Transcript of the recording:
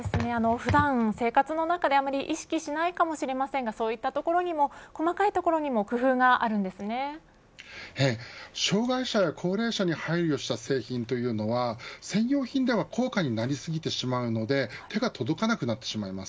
普段生活の中であまり意識しないかもしれませんがそういったところにも細かいところにもはい、障害者や高齢者に配慮した製品というのは専用品では高価になりすぎてしまうので手が届かなくなってしまいます。